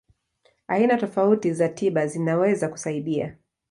Aina tofauti za tiba zinaweza kusaidia.